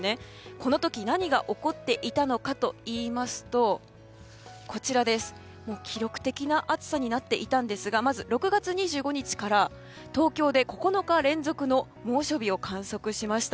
この時、何が起こっていたのかといいますと記録的な暑さになっていたんですがまず６月２５日から東京で９日連続の猛暑日を観測しました。